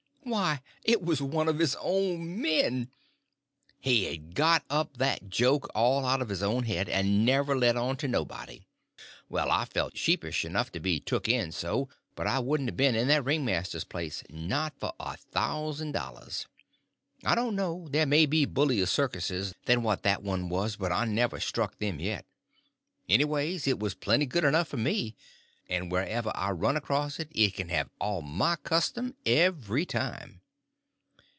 Why, it was one of his own men! He had got up that joke all out of his own head, and never let on to nobody. Well, I felt sheepish enough to be took in so, but I wouldn't a been in that ringmaster's place, not for a thousand dollars. I don't know; there may be bullier circuses than what that one was, but I never struck them yet. Anyways, it was plenty good enough for me; and wherever I run across it, it can have all of my custom every time.